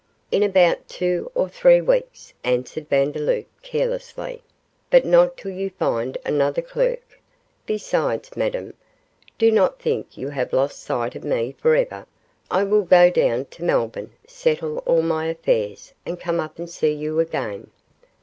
'In about two or three weeks,' answered Vandeloup, carelessly, 'but not till you find another clerk; besides, Madame, do not think you have lost sight of me for ever; I will go down to Melbourne, settle all my affairs, and come up and see you again.